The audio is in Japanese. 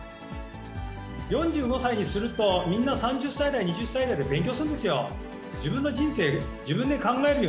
４５歳にするとみんな３０歳代、２０歳代で勉強するんですよ。